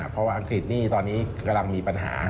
เพราะว่าอังกฤษนี่ตอนนี้กำลังมีปัญหา